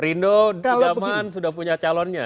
kalau zaman sudah punya calonnya